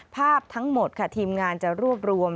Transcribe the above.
ภาพทั้งหมดค่ะทีมงานจะรวบรวม